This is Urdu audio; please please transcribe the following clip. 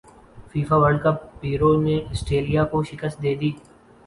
فیفا ورلڈ کپ پیرو نے اسٹریلیا کو شکست دیدی